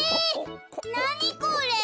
なにこれ？